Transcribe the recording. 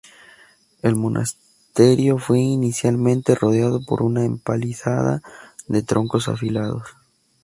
El monasterio fue inicialmente rodeado por una empalizada de troncos afilados.